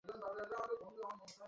এই বিষয়ে আর কথা হবে না।